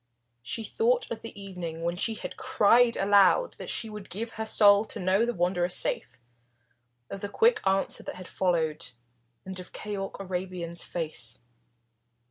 She thought of the evening when she had cried aloud that she would give her soul to know the Wanderer safe, of the quick answer that had followed, and of Keyork Arabian's face.